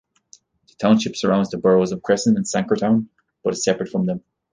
The township surrounds the boroughs of Cresson and Sankertown but is separate from them.